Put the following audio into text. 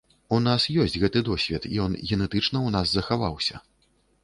У нас ёсць гэты досвед, ён генетычна ў нас захаваўся.